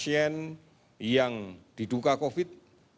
pasien yang diduka covid sembilan belas